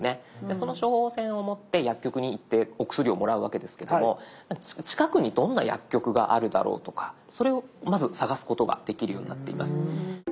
その処方箋を持って薬局に行ってお薬をもらうわけですけども近くにどんな薬局があるだろうとかそれをまず探すことができるようになっています。